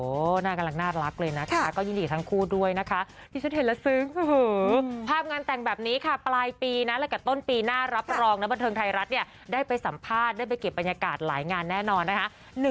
โอ้โหน่ากำลังน่ารักเลยนะคะก็ยินดีทั้งคู่ด้วยนะคะที่ฉันเห็นแล้วซึ้งภาพงานแต่งแบบนี้ค่ะปลายปีนะและกับต้นปีหน้ารับรองนะบันเทิงไทยรัฐเนี่ยได้ไปสัมภาษณ์ได้ไปเก็บบรรยากาศหลายงานแน่นอนนะคะ